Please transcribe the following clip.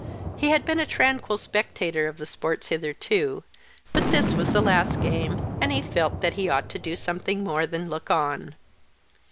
He had been a tranquil spectator of the sports hitherto; but this was the last game, and he felt that he ought to do something more than look on.